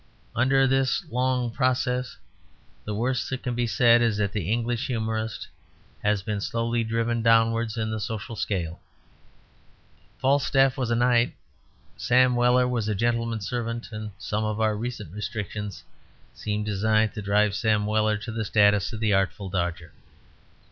Under this long process, the worst that can be said is that the English humorist has been slowly driven downwards in the social scale. Falstaff was a knight, Sam Weller was a gentleman's servant, and some of our recent restrictions seem designed to drive Sam Weller to the status of the Artful Dodger.